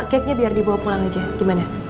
cake nya biar dibawa pulang aja gimana